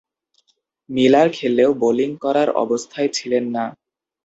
Miller খেললেও bowling করার অবস্থায় ছিলেন না।